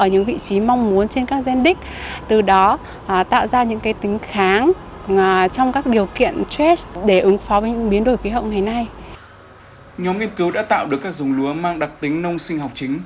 nhóm nghiên cứu đã tạo được các dông lúa mang đặc tính nông sinh học chính